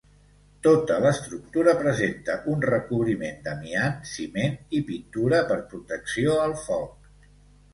Tota l'estructura presenta un recobriment d'amiant, ciment i pintura per protecció al foc.